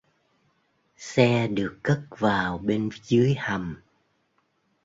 Xe được cất vào bên dưới hầm